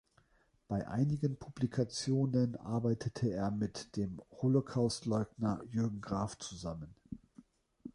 Bei einigen Publikationen arbeitete er mit dem Holocaustleugner Jürgen Graf zusammen.